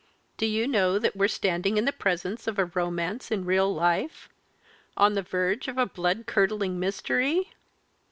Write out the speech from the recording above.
Do you know that we're standing in the presence of a romance in real life on the verge of a blood curdling mystery?